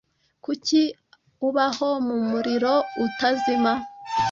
Kuki ubaho mumuriro utazima?